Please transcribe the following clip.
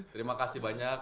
terima kasih banyak